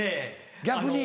逆に？